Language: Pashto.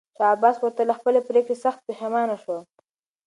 شاه عباس وروسته له خپلې پرېکړې سخت پښېمانه شو.